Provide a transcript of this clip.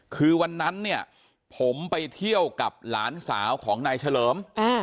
คือวันนั้นเนี่ยผมไปเที่ยวกับหลานสาวของนายเฉลิม